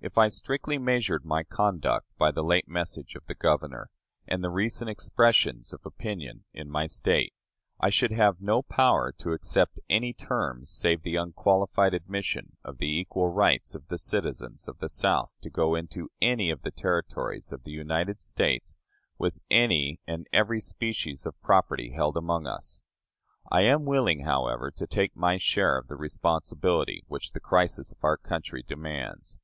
If I strictly measured my conduct by the late message of the Governor, and the recent expressions of opinion in my State, I should have no power to accept any terms save the unqualified admission of the equal rights of the citizens of the South to go into any of the Territories of the United States with any and every species of property held among us. I am willing, however, to take my share of the responsibility which the crisis of our country demands.